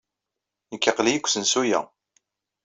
Nekk aql-iyi deg usensu-a.